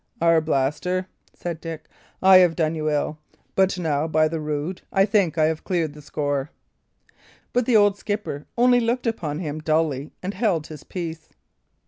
"Arblaster," said Dick, "I have done you ill; but now, by the rood, I think I have cleared the score." But the old skipper only looked upon him dully and held his peace.